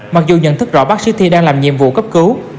mặc dù nhận thức rõ bác sĩ thi đang làm nhiệm vụ cấp cứu